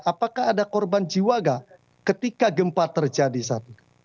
apakah ada korban jiwa gak ketika gempa terjadi saat ini